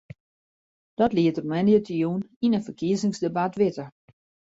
Dat liet er moandeitejûn yn in ferkiezingsdebat witte.